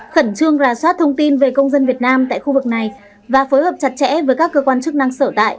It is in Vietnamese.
khẩn trương rà soát thông tin về công dân việt nam tại khu vực này và phối hợp chặt chẽ với các cơ quan chức năng sở tại